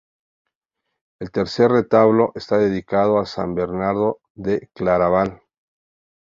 El tercer retablo está dedicado a San Bernardo de Claraval.